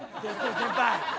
先輩！